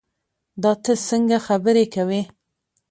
دا تۀ څنګه خبرې کوې